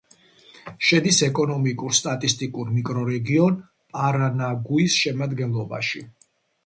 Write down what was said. შედის ეკონომიკურ-სტატისტიკურ მიკრორეგიონ პარანაგუის შემადგენლობაში.